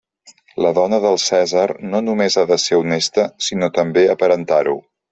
La dona del cèsar no només ha de ser honesta sinó també aparentar-ho.